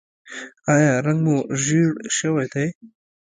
ایا رنګ مو ژیړ شوی دی؟